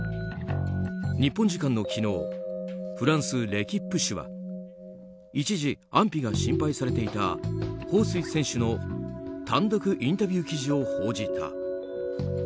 日本時間の昨日フランス・レキップ紙は一時、安否が心配されていたホウ・スイ選手の単独インタビュー記事を報じた。